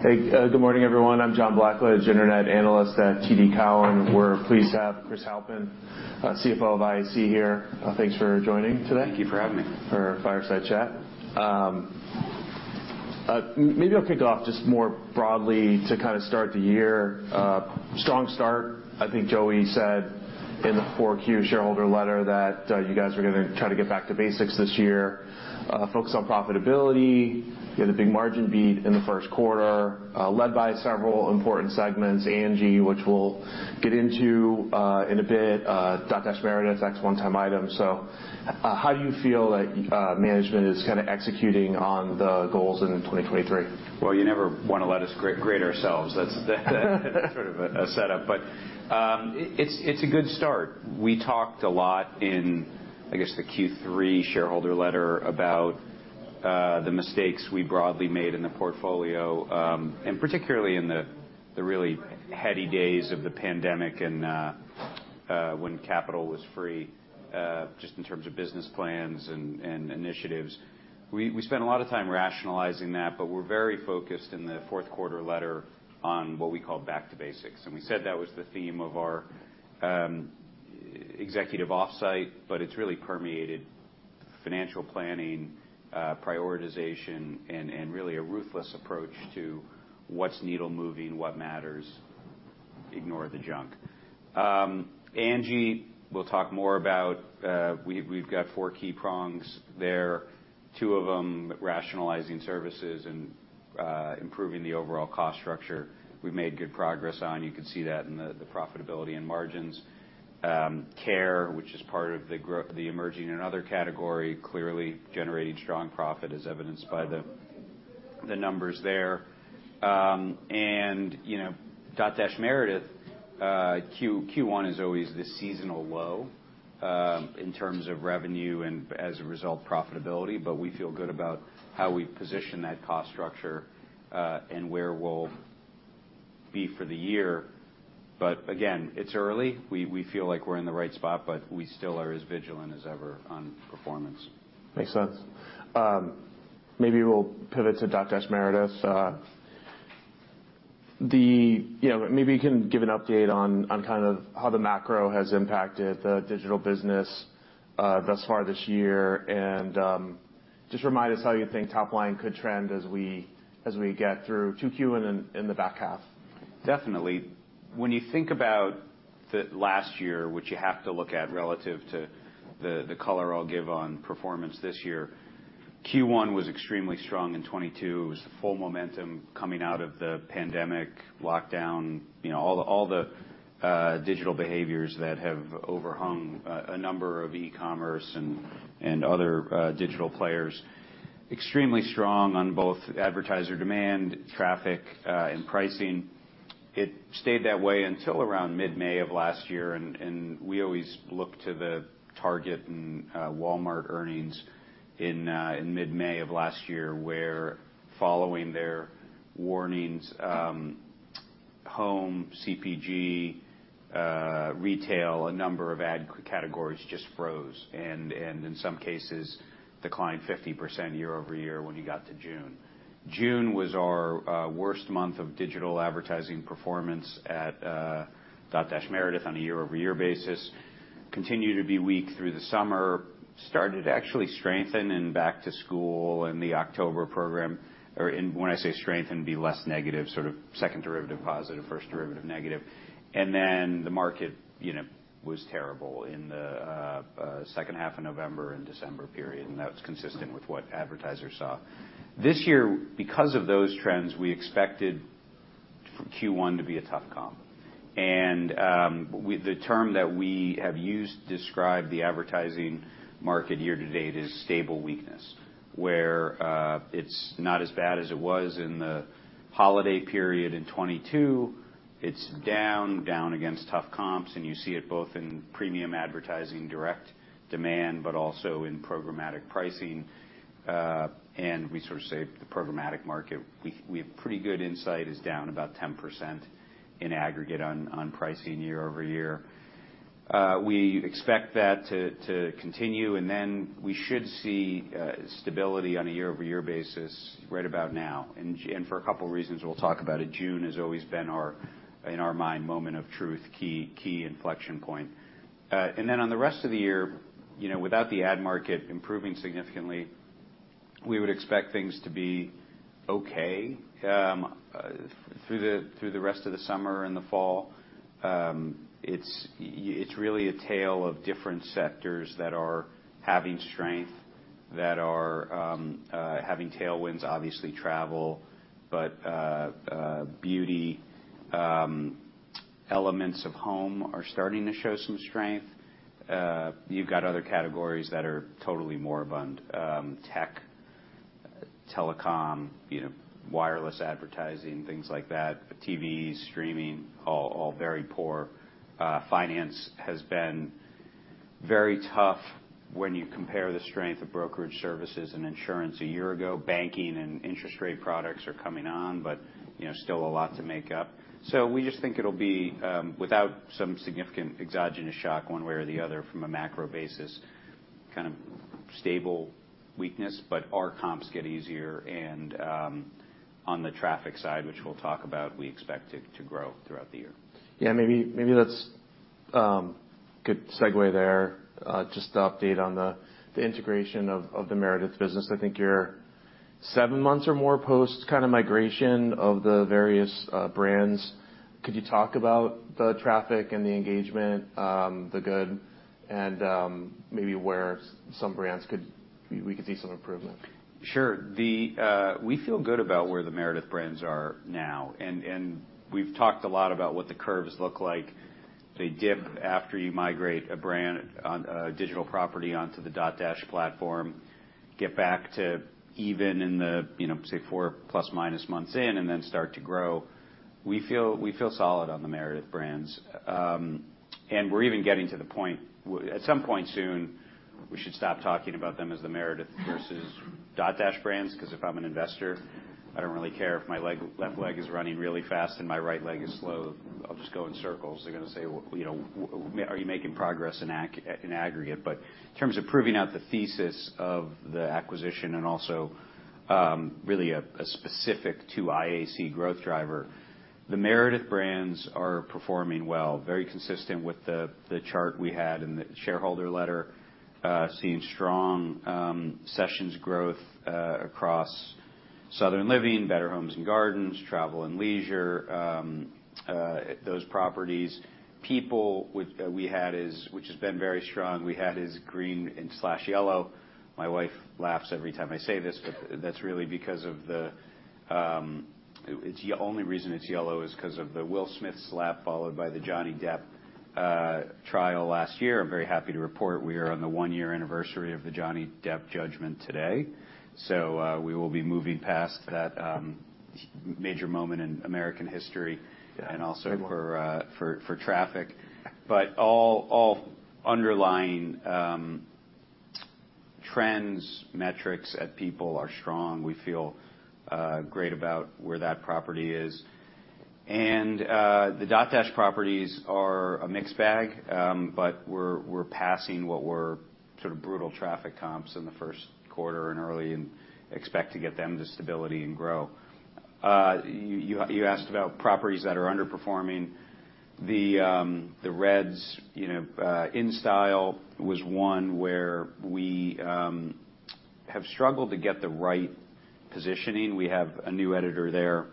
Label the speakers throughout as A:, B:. A: Hey, good morning, everyone. I'm John Blackledge, Internet analyst at TD Cowen. We're pleased to have Chris Halpin, CFO of IAC here. Thanks for joining today-
B: Thank you for having me.
A: -for our Fireside Chat. Maybe I'll kick off just more broadly to kind of start the year. Strong start. I think Joey said in the Q4 shareholder letter that you guys were gonna try to get back to basics this year, focus on profitability. You had a big margin beat in the first quarter, led by several important segments, Angi, which we'll get into, in a bit, Dotdash Meredith, that's one-time item. How do you feel like management is kind of executing on the goals in 2023?
B: Well, you never wanna let us grade ourselves. That's sort of a setup, but it's a good start. We talked a lot in, I guess, the Q3 shareholder letter about the mistakes we broadly made in the portfolio, and particularly in the really heady days of the pandemic and when capital was free, just in terms of business plans and initiatives. We spent a lot of time rationalizing that. We're very focused in the fourth quarter letter on what we call back to basics, and we said that was the theme of our executive offsite. It's really permeated financial planning, prioritization and really a ruthless approach to what's needle moving, what matters, ignore the junk. Angi, we'll talk more about, we've got four key prongs there. Two of them, rationalizing services and improving the overall cost structure. We've made good progress on, you can see that in the profitability and margins. Care, which is part of the emerging and other category, clearly generating strong profit, as evidenced by the numbers there. You know, Dotdash Meredith, Q1 is always the seasonal low in terms of revenue and as a result, profitability. We feel good about how we position that cost structure and where we'll be for the year. Again, it's early. We feel like we're in the right spot, but we still are as vigilant as ever on performance.
A: Makes sense. Maybe we'll pivot to Dotdash Meredith. You know, maybe you can give an update on kind of how the macro has impacted the digital business, thus far this year, and just remind us how you think top line could trend as we get through Q2 and then in the back half.
B: Definitely. When you think about the last year, which you have to look at relative to the color I'll give on performance this year, Q1 was extremely strong in 2022. It was the full momentum coming out of the pandemic lockdown, you know, all the digital behaviors that have overhung a number of e-commerce and other digital players. Extremely strong on both advertiser demand, traffic and pricing. It stayed that way until around mid-May of last year, and we always look to the Target and Walmart earnings in mid-May of last year, where following their warnings, home, CPG, retail, a number of ad categories just froze, and in some cases, declined 50% year-over-year when you got to June. June was our worst month of digital advertising performance at Dotdash Meredith on a year-over-year basis. Continued to be weak through the summer, started to actually strengthen in back to school and the October program, when I say strengthen, be less negative, sort of second derivative positive, first derivative negative. The market, you know, was terrible in the second half of November and December period, and that was consistent with what advertisers saw. This year, because of those trends, we expected for Q1 to be a tough comp. The term that we have used to describe the advertising market year-to-date is stable weakness, where it's not as bad as it was in the holiday period in 2022. It's down against tough comps, and you see it both in premium advertising, direct demand, but also in programmatic pricing. We sort of say the programmatic market, we have pretty good insight, is down about 10% in aggregate on pricing year-over-year. We expect that to continue, then we should see stability on a year-over-year basis right about now. For a couple reasons we'll talk about, June has always been our, in our mind, moment of truth, key inflection point. Then on the rest of the year, you know, without the ad market improving significantly, we would expect things to be okay. Through the rest of the summer and the fall, it's really a tale of different sectors that are having strength, that are having tailwinds, obviously, travel, but beauty, elements of home are starting to show some strength. You've got other categories that are totally more abundant. Tech, telecom, you know, wireless advertising, things like that, TVs, streaming, all very poor. Finance has been very tough when you compare the strength of brokerage services and insurance a year ago. Banking and interest rate products are coming on, but, you know, still a lot to make up. We just think it'll be without some significant exogenous shock, one way or the other, from a macro basis, kind of stable weakness, but our comps get easier, and on the traffic side, which we'll talk about, we expect it to grow throughout the year.
A: Yeah, maybe that's good segue there. Just to update on the integration of the Meredith business. I think you're seven months or more post kind of migration of the various brands. Could you talk about the traffic and the engagement, the good, and maybe where some brands could see some improvement?
B: Sure. We feel good about where the Meredith brands are now, and we've talked a lot about what the curves look like. They dip after you migrate a brand on a digital property onto the Dotdash platform, get back to even in the, you know, say, four plus, minus months in, and then start to grow. We feel solid on the Meredith brands. We're even getting to the point. At some point soon, we should stop talking about them as the Meredith versus Dotdash brands, 'cause if I'm an investor, I don't really care if my left leg is running really fast and my right leg is slow, I'll just go in circles. They're gonna say, well, you know, are you making progress in aggregate? In terms of proving out the thesis of the acquisition and also, really a specific to IAC growth driver, the Meredith brands are performing well, very consistent with the chart we had in the shareholder letter. Seeing strong sessions growth across Southern Living, Better Homes & Gardens, Travel + Leisure, those properties. People, which has been very strong, we had as green and slash yellow. My wife laughs every time I say this, but that's really because of the. The only reason it's yellow is 'cause of the Will Smith slap, followed by the Johnny Depp trial last year. I'm very happy to report we are on the one-year anniversary of the Johnny Depp judgment today. We will be moving past that major moment in American history-
A: Yeah.
B: -also for traffic. All underlying trends, metrics at People are strong. We feel great about where that property is. The Dotdash properties are a mixed bag, but we're passing what were sort of brutal traffic comps in the first quarter and early and expect to get them to stability and grow. You asked about properties that are underperforming. The reds, you know, InStyle was one where we have struggled to get the right positioning. We have a new editor there.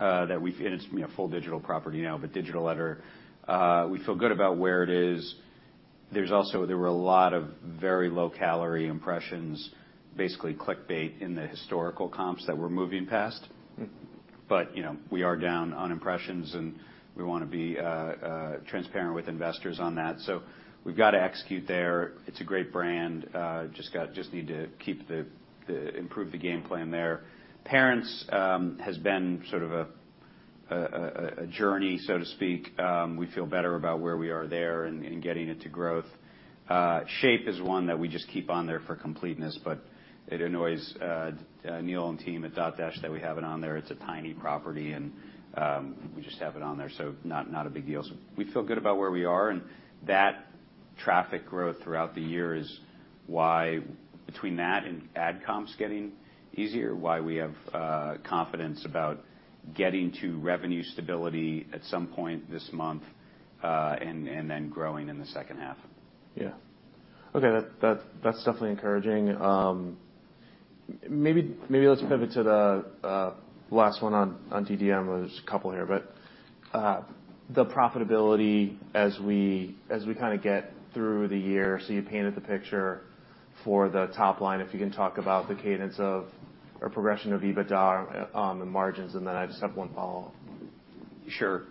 B: It's, you know, a full digital property now, but digital editor. We feel good about where it is. There were a lot of very low-calorie impressions, basically clickbait, in the historical comps that we're moving past.
A: Mm-hmm.
B: You know, we are down on impressions, and we wanna be transparent with investors on that. We've got to execute there. It's a great brand, just need to improve the game plan there. Parents has been sort of a journey, so to speak. We feel better about where we are there and getting it to growth. Shape is one that we just keep on there for completeness, but it annoys Neil and team at Dotdash that we have it on there. It's a tiny property, and we just have it on there, so not a big deal. We feel good about where we are, and that traffic growth throughout the year is why between that and ad comps getting easier, why we have confidence about getting to revenue stability at some point this month, and then growing in the second half.
A: Yeah. Okay, that's definitely encouraging. Maybe let's pivot to the last one on DDM. Well, there's a couple here, but the profitability as we kind of get through the year. You painted the picture for the top line. If you can talk about the cadence of or progression of EBITDA on the margins, and then I just have one follow-up.
B: Sure.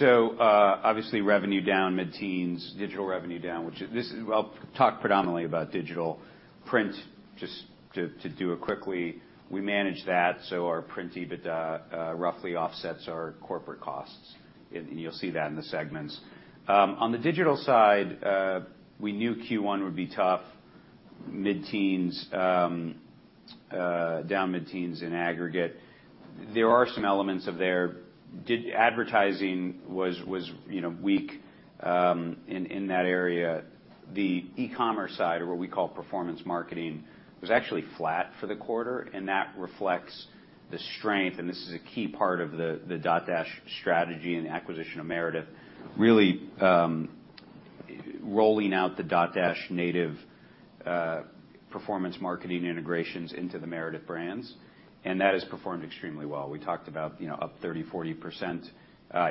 B: Obviously, revenue down mid-teens, digital revenue down, which is. Well, I'll talk predominantly about digital. Print, just to do it quickly, we manage that, so our print EBITDA roughly offsets our corporate costs. You'll see that in the segments. On the digital side, we knew Q1 would be tough, mid-teens, down mid-teens in aggregate. There are some elements of there. Advertising was, you know, weak in that area. The e-commerce side, or what we call performance marketing, was actually flat for the quarter, and that reflects the strength, and this is a key part of the Dotdash strategy and acquisition of Meredith. Really, rolling out the Dotdash native performance marketing integrations into the Meredith brands, and that has performed extremely well. We talked about, you know, up 30%-40%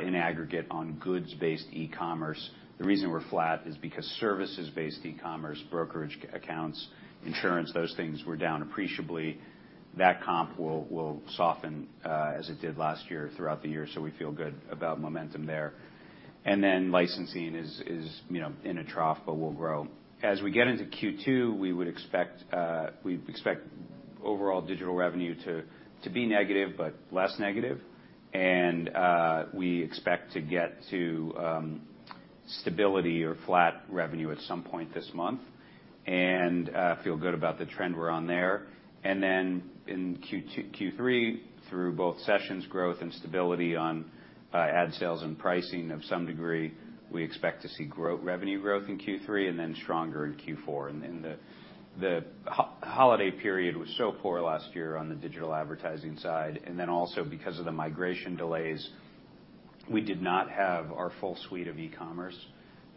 B: in aggregate on goods-based e-commerce. The reason we're flat is because services-based e-commerce, brokerage accounts, insurance, those things were down appreciably. That comp will soften as it did last year, throughout the year, so we feel good about momentum there. Then licensing is, you know, in a trough, but will grow. As we get into Q2, we would expect, we expect overall digital revenue to be negative, but less negative. We expect to get to stability or flat revenue at some point this month, and feel good about the trend we're on there. Then in Q3, through both sessions growth and stability on ad sales and pricing of some degree, we expect to see revenue growth in Q3 and then stronger in Q4. The holiday period was so poor last year on the digital advertising side, and then also because of the migration delays, we did not have our full suite of e-commerce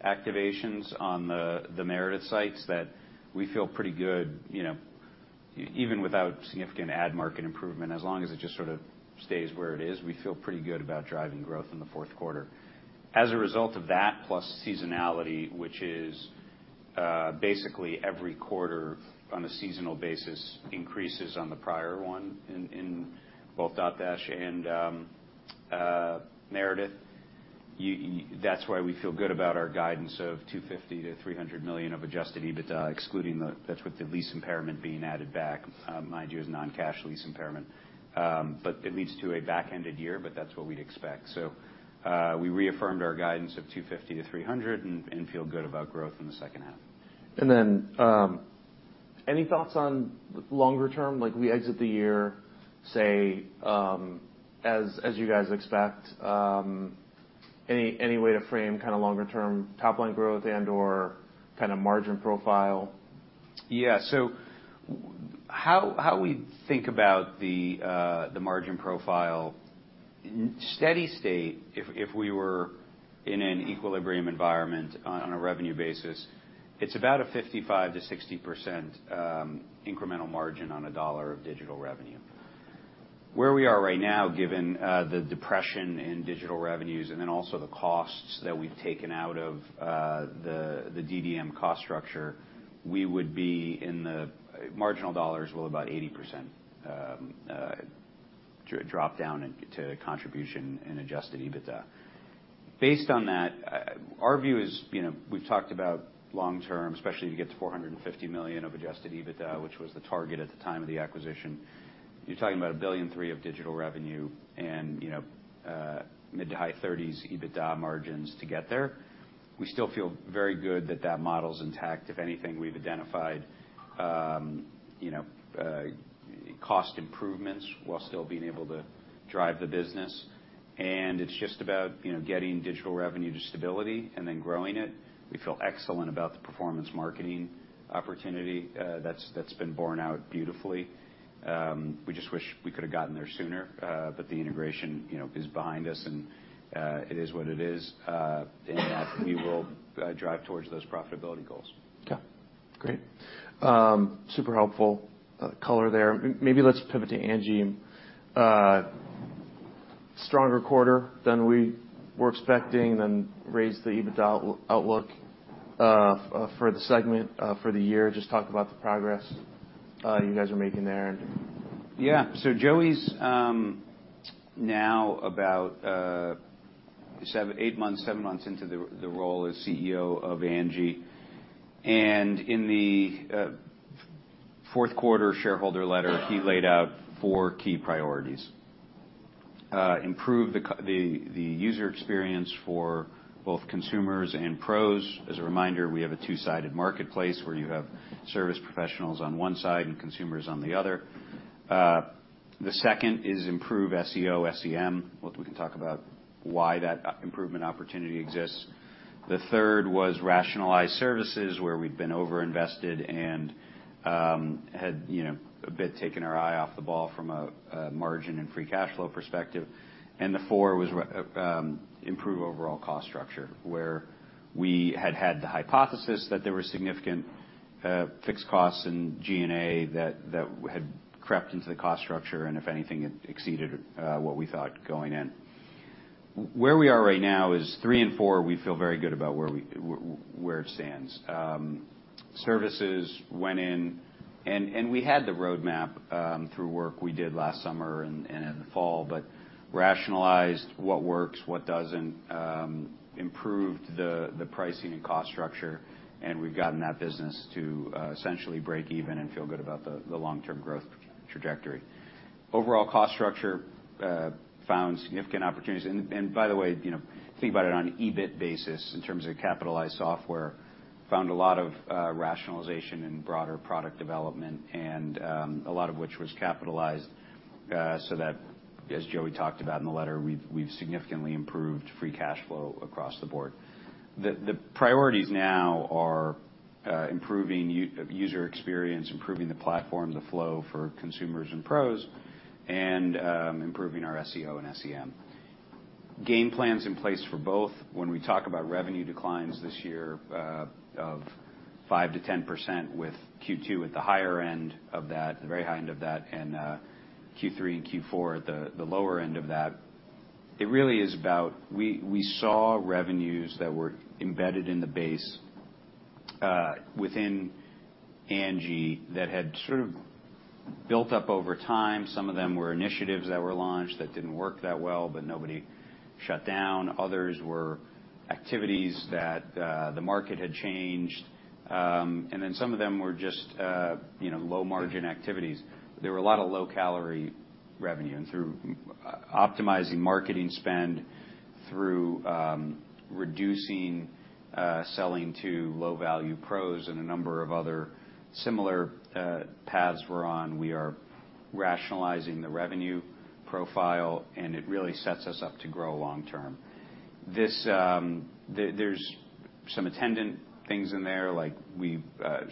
B: activations on the Meredith sites that we feel pretty good, you know, even without significant ad market improvement. As long as it just sort of stays where it is, we feel pretty good about driving growth in the fourth quarter. As a result of that, plus seasonality, which is basically every quarter on a seasonal basis, increases on the prior one in both Dotdash and Meredith, that's why we feel good about our guidance of $250 million-$300 million of adjusted EBITDA, excluding that's with the lease impairment being added back. Mind you, it's non-cash lease impairment, but it leads to a back-ended year, but that's what we'd expect. We reaffirmed our guidance of $250-$300 and feel good about growth in the second half.
A: Any thoughts on longer term, like we exit the year, say, as you guys expect, any way to frame kind of longer-term top-line growth and/or kind of margin profile?
B: How we think about the margin profile, steady state, if we were in an equilibrium environment on a revenue basis, it's about a 55%-60% incremental margin on a dollar of digital revenue. Where we are right now, given the depression in digital revenues and then also the costs that we've taken out of the DDM cost structure, we would be in the marginal dollars, well, about 80% drop down into contribution and adjusted EBITDA. Based on that, our view is, you know, we've talked about long term, especially to get to $450 million of adjusted EBITDA, which was the target at the time of the acquisition. You're talking about $1.3 billion of digital revenue and, you know, mid to high 30s% EBITDA margins to get there. We still feel very good that that model's intact. If anything, we've identified, you know, cost improvements while still being able to drive the business. It's just about, you know, getting digital revenue to stability and then growing it. We feel excellent about the performance marketing opportunity, that's been borne out beautifully. We just wish we could have gotten there sooner. The integration, you know, is behind us. It is what it is, in that we will drive towards those profitability goals.
A: Great. Super helpful color there. Maybe let's pivot to Angi. Stronger quarter than we were expecting, then raised the EBITDA outlook for the segment for the year. Just talk about the progress you guys are making there.
B: Yeah. Joey's now about seven, eight months, seven months into the role as CEO of Angi. In the fourth quarter shareholder letter, he laid out four key priorities. Improve the user experience for both consumers and pros. As a reminder, we have a two-sided marketplace where you have service professionals on one side and consumers on the other. The second is improve SEO, SEM, which we can talk about why that improvement opportunity exists. The third was rationalize services, where we've been overinvested and had, you know, a bit taken our eye off the ball from a margin and free cash flow perspective. The four was improve overall cost structure, where we had the hypothesis that there were significant fixed costs in G&A that had crept into the cost structure, and if anything, it exceeded what we thought going in. Where we are right now is three and four, we feel very good about where we, where it stands. Services went in, and we had the roadmap through work we did last summer and in the fall, but rationalized what works, what doesn't, improved the pricing and cost structure, and we've gotten that business to essentially break even and feel good about the long-term growth trajectory. Overall cost structure found significant opportunities. By the way, you know, think about it on an EBIT basis in terms of capitalized software, found a lot of rationalization and broader product development and a lot of which was capitalized, so that, as Joey talked about in the letter, we've significantly improved free cash flow across the board. The priorities now are improving user experience, improving the platform, the flow for consumers and pros, and improving our SEO and SEM. Game plan's in place for both. When we talk about revenue declines this year, of 5%-10%, with Q2 at the higher end of that, the very high end of that, and Q3 and Q4 at the lower end of that, it really is about... We saw revenues that were embedded in the base within Angi, that had sort of built up over time. Some of them were initiatives that were launched that didn't work that well, but nobody shut down. Others were activities that the market had changed, and then some of them were just, you know, low-margin activities. There were a lot of revenue and through optimizing marketing spend, through reducing selling to low-value pros and a number of other similar paths we're on. We are rationalizing the revenue profile, and it really sets us up to grow long term. This, there's some attendant things in there, like we've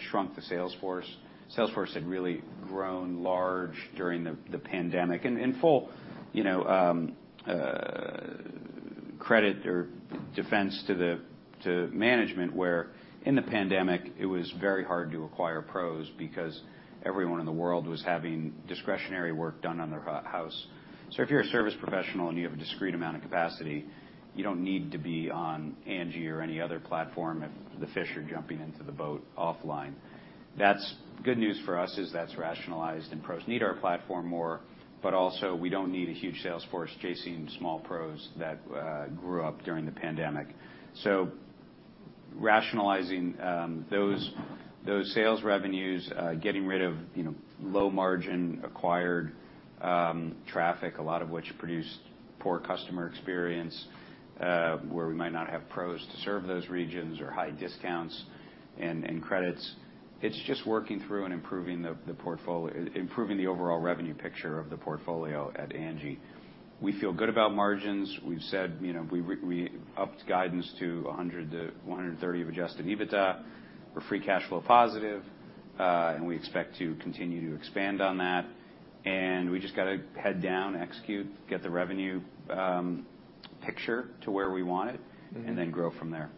B: shrunk the sales force. Sales force had really grown large during the pandemic. In full, you know, credit or defense to management, where in the pandemic, it was very hard to acquire pros because everyone in the world was having discretionary work done on their house. If you're a service professional and you have a discrete amount of capacity, you don't need to be on Angi or any other platform if the fish are jumping into the boat offline. That's good news for us, is that's rationalized and pros need our platform more, but also we don't need a huge sales force chasing small pros that grew up during the pandemic. Rationalizing, those sales revenues, getting rid of, you know, low margin, acquired traffic, a lot of which produced poor customer experience, where we might not have pros to serve those regions or high discounts and credits. It's just working through and improving the overall revenue picture of the portfolio at Angi. We feel good about margins. We've said, you know, we upped guidance to $100 million-$130 million of adjusted EBITDA. We're free cash flow positive, and we expect to continue to expand on that. We just got to head down, execute, get the revenue, picture to where we want it. Then grow from there.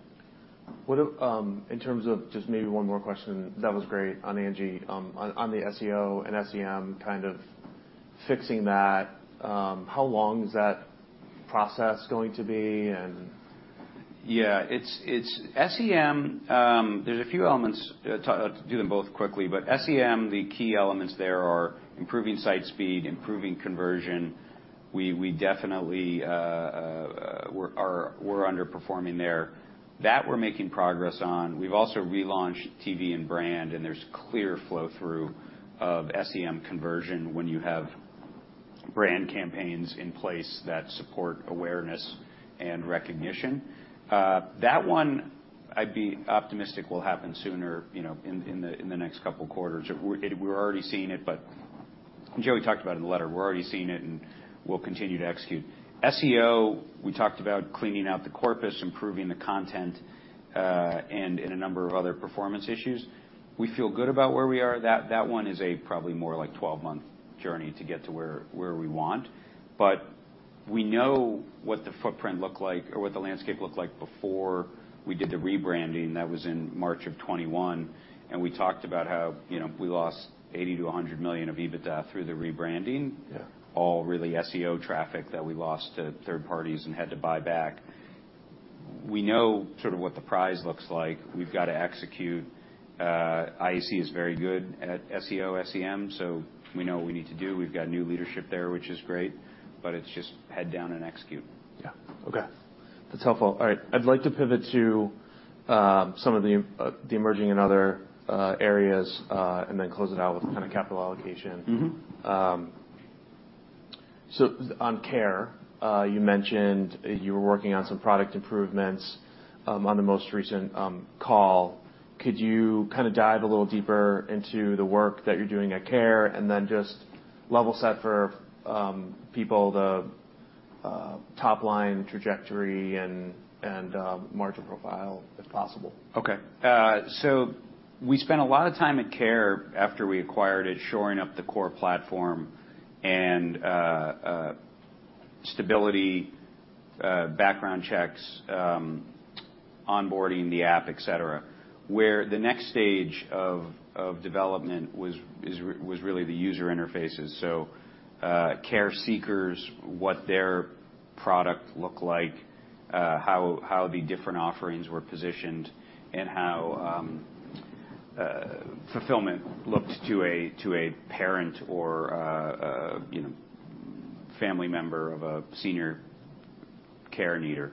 A: What, in terms of, just maybe one more question, that was great on Angi. On the SEO and SEM, kind of fixing that, how long is that process going to be and-
B: Yeah, it's SEM, there's a few elements. To do them both quickly, but SEM, the key elements there are improving site speed, improving conversion. We definitely, we're underperforming there. That, we're making progress on. We've also relaunched TV and brand, and there's clear flow-through of SEM conversion when you have brand campaigns in place that support awareness and recognition. That one, I'd be optimistic, will happen sooner, you know, in the next couple of quarters. We're already seeing it, but Joey talked about it in the letter. We're already seeing it, and we'll continue to execute. SEO, we talked about cleaning out the corpus, improving the content, and a number of other performance issues. We feel good about where we are. That one is a probably more like 12-month journey to get to where we want. We know what the footprint looked like or what the landscape looked like before we did the rebranding. That was in March of 2021, and we talked about how, you know, we lost $80 million to $100 million of EBITDA through the rebranding.
A: Yeah.
B: All really SEO traffic that we lost to third parties and had to buy back. We know sort of what the prize looks like. We've got to execute. IAC is very good at SEO, SEM, so we know what we need to do. We've got new leadership there, which is great, but it's just head down and execute.
A: Yeah. Okay, that's helpful. All right, I'd like to pivot to some of the emerging and other areas, and then close it out with kind of capital allocation.
B: Mm-hmm.
A: On care, you mentioned you were working on some product improvements, on the most recent call. Could you kind of dive a little deeper into the work that you're doing at Care.com, and then just level set for people, the top-line trajectory and margin profile, if possible?
B: Okay. We spent a lot of time at Care after we acquired it, shoring up the core platform and stability, background checks, onboarding the app, et cetera. Where the next stage of development was really the user interfaces. Care seekers, what their product looked like, how the different offerings were positioned, and how, you know, fulfillment looked to a parent or family member of a senior care needer.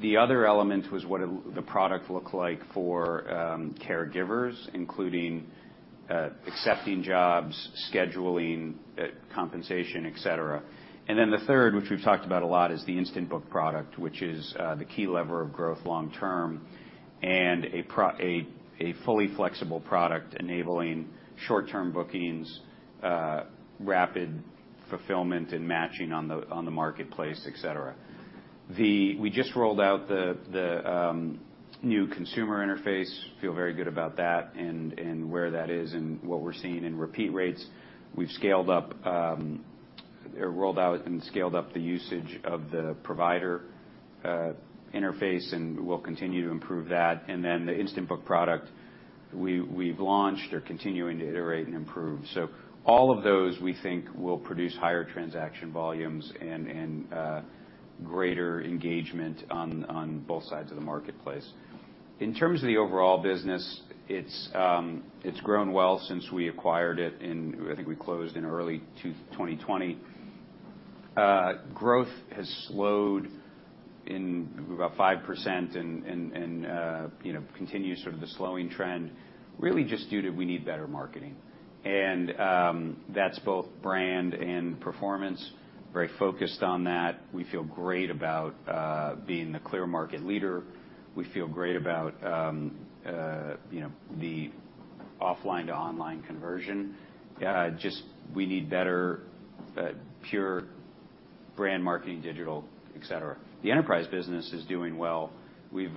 B: The other element was what the product looked like for caregivers, including accepting jobs, scheduling, compensation, et cetera. The third, which we've talked about a lot, is the Instant Book product, which is the key lever of growth long term, and a fully flexible product enabling short-term bookings, rapid fulfillment, and matching on the marketplace, et cetera. We just rolled out the new consumer interface. Feel very good about that and where that is and what we're seeing in repeat rates. We've scaled up or rolled out and scaled up the usage of the provider interface, and we'll continue to improve that. The Instant Book product we've launched or continuing to iterate and improve. All of those, we think, will produce higher transaction volumes and greater engagement on both sides of the marketplace. In terms of the overall business, it's grown well since we acquired it in. I think we closed in early 2020. Growth has slowed in about 5% and, you know, continues sort of the slowing trend, really just due to we need better marketing. That's both brand and performance, very focused on that. We feel great about being the clear market leader. We feel great about, you know, the offline to online conversion. Just we need better pure brand marketing, digital, et cetera. The enterprise business is doing well. We've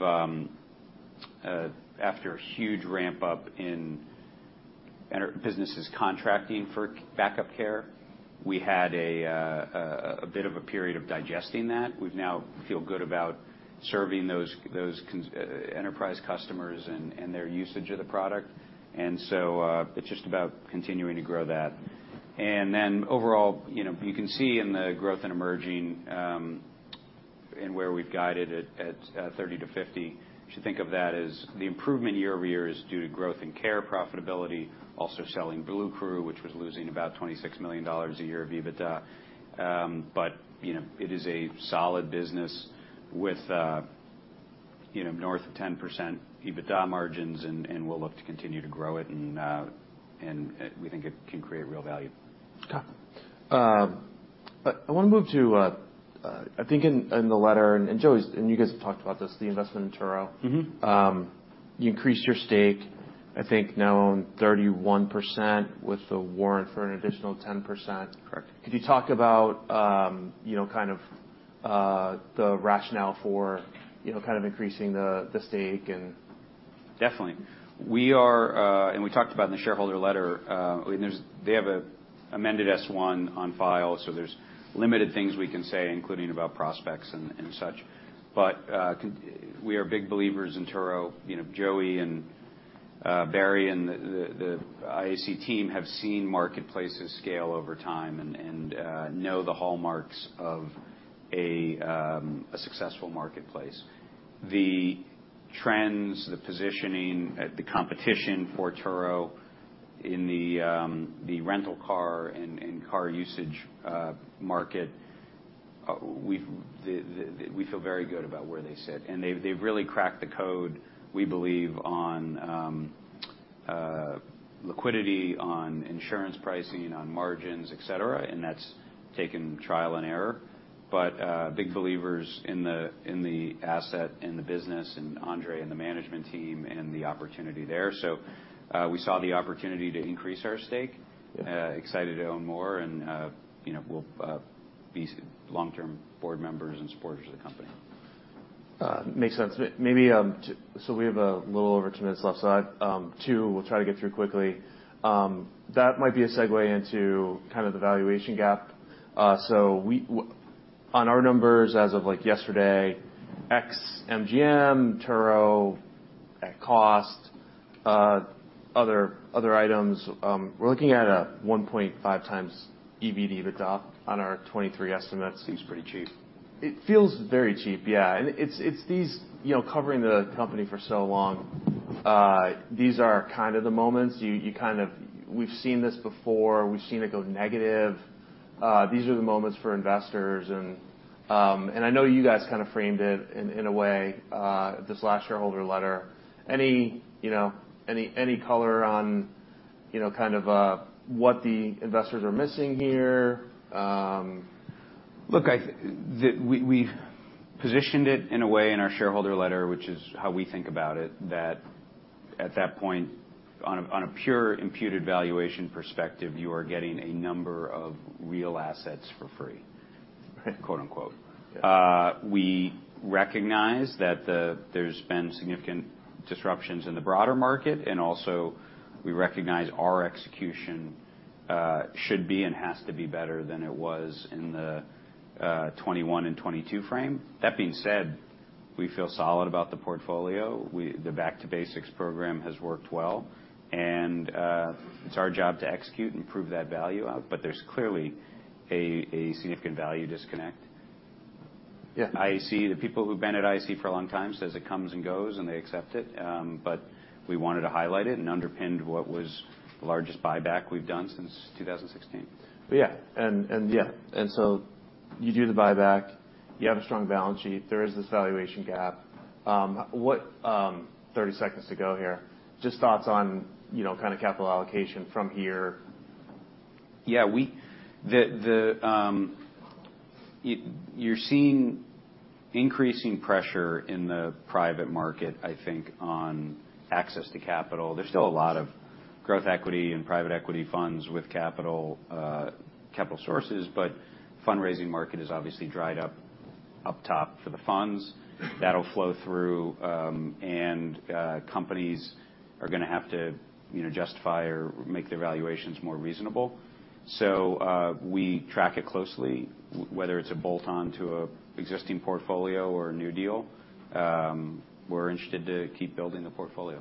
B: after a huge ramp-up in businesses contracting for backup care, we had a bit of a period of digesting that. We now feel good about serving those enterprise customers and their usage of the product. It's just about continuing to grow that. Overall, you know, you can see in the growth in emerging, and where we've guided it at 30%-50%, you should think of that as the improvement year-over-year is due to growth in Care profitability, also selling Bluecrew, which was losing about $26 million a year of EBITDA. You know, it is a solid business with, you know, north of 10% EBITDA margins, and we'll look to continue to grow it, and we think it can create real value.
A: Got it. I wanna move to, I think in the letter, and Joey, and you guys have talked about this, the investment in Turo.
B: Mm-hmm.
A: You increased your stake, I think now own 31% with the warrant for an additional 10%.
B: Correct.
A: Could you talk about, you know, kind of, the rationale for, you know, kind of increasing the stake?
B: Definitely. We are, and we talked about in the shareholder letter, I mean, they have a amended S-1 on file, so there's limited things we can say, including about prospects and such. We are big believers in Turo. You know, Joey and Barry and the IAC team have seen marketplaces scale over time and know the hallmarks of a successful marketplace. The trends, the positioning, the competition for Turo in the rental car and car usage market, we feel very good about where they sit, and they've really cracked the code, we believe, on liquidity, on insurance pricing, on margins, et cetera, and that's taken trial and error. Big believers in the asset and the business, and Andre and the management team and the opportunity there. We saw the opportunity to increase our stake, excited to own more, and, you know, we'll be long-term board members and supporters of the company.
A: Makes sense. Maybe, we have a little over two minutes left, so I, two, we'll try to get through quickly. That might be a segue into kind of the valuation gap. We, on our numbers, as of, like, yesterday, ex MGM, Turo at cost, other items, we're looking at a 1.5x EBITDA on our 2023 estimates.
B: Seems pretty cheap.
A: It feels very cheap, yeah. It's, it's these, you know, covering the company for so long, these are kind of the moments you kind of we've seen this before. We've seen it go negative. These are the moments for investors and I know you guys kind of framed it in a way, this last shareholder letter. Any, you know, any color on, you know, kind of, what the investors are missing here?
B: We've positioned it in a way in our shareholder letter, which is how we think about it, that at that point, on a, on a pure imputed valuation perspective, you are getting a number of real assets for free.
A: Right....
B: quote, unquote. We recognize that there's been significant disruptions in the broader market, and also, we recognize our execution should be and has to be better than it was in the 2021 and 2022 frame. That being said, we feel solid about the portfolio. The back to basics program has worked well, and it's our job to execute and prove that value out, but there's clearly a significant value disconnect.
A: Yeah.
B: IAC, the people who've been at IAC for a long time, says it comes and goes, and they accept it. We wanted to highlight it and underpinned what was the largest buyback we've done since 2016.
A: You do the buyback. You have a strong balance sheet. There is this valuation gap. What- 30 seconds to go here. Just thoughts on, you know, kind of capital allocation from here?
B: You're seeing increasing pressure in the private market, I think, on access to capital. There's still a lot of growth equity and private equity funds with capital sources, but fundraising market has obviously dried up top for the funds. That'll flow through, and companies are gonna have to, you know, justify or make their valuations more reasonable. We track it closely, whether it's a bolt on to an existing portfolio or a new deal, we're interested to keep building the portfolio.